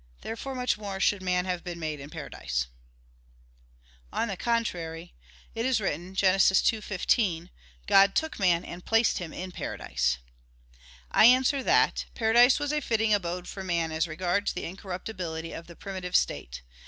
Therefore much more should man have been made in paradise. On the contrary, It is written (Gen. 2:15): "God took man and placed him in paradise." I answer that, Paradise was a fitting abode for man as regards the incorruptibility of the primitive state.